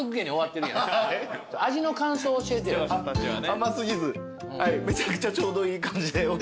甘過ぎずめちゃくちゃちょうどいい感じでおいしいです。